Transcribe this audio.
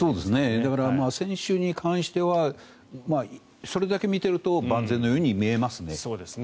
だから選手に関してはそれだけ見てると万全のように見えますね。